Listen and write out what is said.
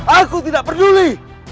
aku tidak peduli